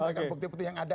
bukan bukti bukti yang ada